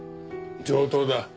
上等だ。